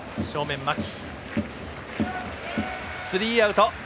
スリーアウト。